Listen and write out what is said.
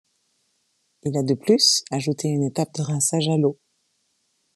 Il a de plus ajouté une étape de rinçage à l'eau.